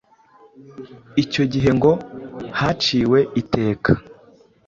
Icyo gihe ngo haciwe iteka